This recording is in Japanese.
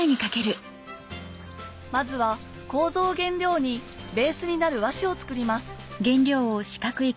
まずは楮を原料にベースになる和紙を作ります